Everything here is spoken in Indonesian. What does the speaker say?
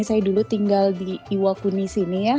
saya dulu tinggal di iwakuni sini ya